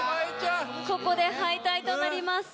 ここで敗退となります。